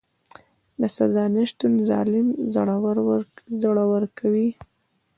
د سزا نشتون ظالم زړور کوي.